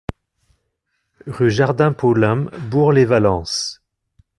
Rue Jardin Paulin, Bourg-lès-Valence